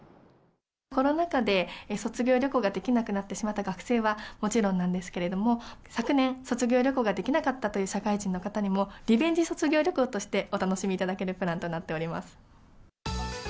コロナ禍で、卒業旅行ができなくなってしまった学生はもちろんなんですけれども、昨年、卒業旅行ができなかったという社会人の方にも、リベンジ卒業旅行として、お楽しみいただけるプランとなっております。